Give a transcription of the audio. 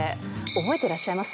覚えてらっしゃいます？